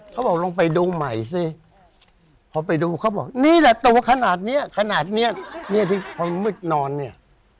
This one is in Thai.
ขนาดเนี้ยขนาดเนี้ยเนี้ยที่ความมืดนอนเนี้ย